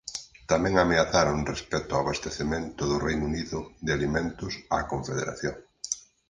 Tamén ameazaron respecto ao abastecemento do Reino Unido de alimentos á Confederación.